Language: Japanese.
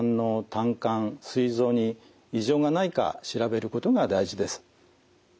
・胆管すい臓に異常がないか調べることが大事です。